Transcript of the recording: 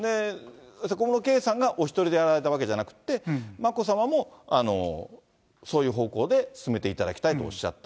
小室圭さんがお一人でやられたわけじゃなくて、眞子さまもそういう方向で進めていただきたいとおっしゃった。